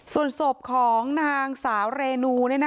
ส่วนศพของนางสาวเรนู